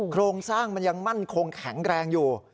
โครงสร้างมันยังมั่นคงแข็งแรงอยู่